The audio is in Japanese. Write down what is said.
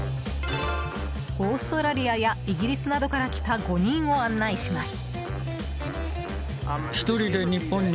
オーストラリアやイギリスなどから来た５人を案内します。